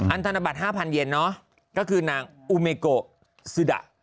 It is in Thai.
อันธนบัตร๕๐๐๐เยนก็คือนางอูเมโกซิดะ